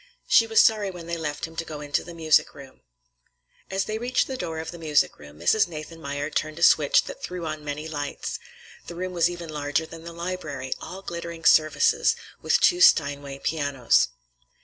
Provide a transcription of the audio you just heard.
She was sorry when they left him to go into the music room. As they reached the door of the music room, Mrs. Nathanmeyer turned a switch that threw on many lights. The room was even larger than the library, all glittering surfaces, with two Steinway pianos.